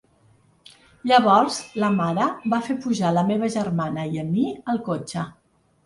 Llavors, la mare va fer pujar la meva germana i a mi al cotxe.